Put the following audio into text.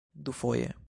dufoje